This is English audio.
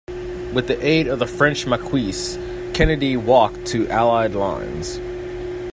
With the aid of the French Maquis, Kennedy walked to Allied lines.